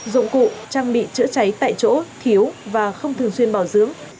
dụng cụ trang bị chữa cháy tại chỗ thiếu và không thường xuyên bảo dưỡng